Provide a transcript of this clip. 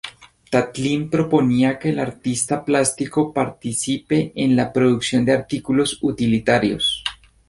Tatlin proponía que el artista plástico participe en la producción de artículos utilitarios.